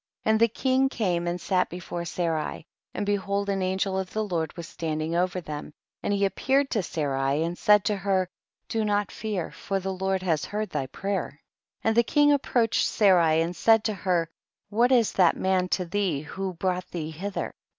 20. And the king came and sat before Sarai, and behold an angel of the Lord was standing over them, and he appeared to Sarai and said lo her, do not fear for the Lord has heard thy prayer. 21. And the king approached Sa rai and said to her, what is that man to thee who brought thee hither?